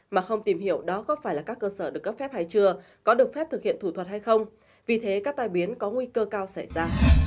mà không tìm hiểu đó có phải là các cơ sở được cấp phép hay chưa có được phép thực hiện thủ thuật hay không vì thế các tai biến có nguy cơ cao xảy ra